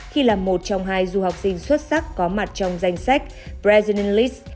khi là một trong hai du học sinh xuất sắc có mặt trong danh sách president list